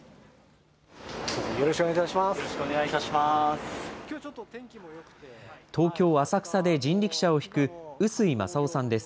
よろしくお願いします。